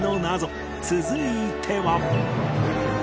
続いては